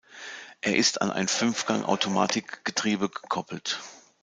Er ist an ein Fünfgang-Automatikgetriebe gekoppelt.